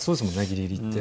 ギリギリ行って。